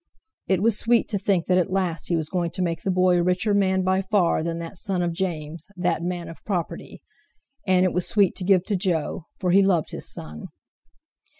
It was sweet to think that at last he was going to make the boy a richer man by far than that son of James, that "man of property." And it was sweet to give to Jo, for he loved his son.